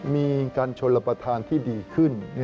มีการชนรับประทานที่ดีขึ้น